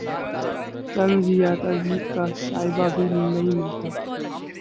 طنز یا تضحیک کا شائبہ بھی نہیں ملتا